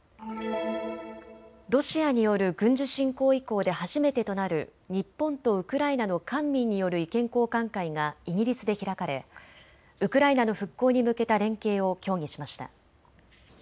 ロシアによる軍事侵攻以降で初めてとなる日本とウクライナの官民による意見交換会がイギリスで開かれウクライナの復興に向けた連携を協議しました。